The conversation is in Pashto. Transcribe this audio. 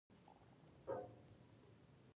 ایا ستاسو منطق د منلو دی؟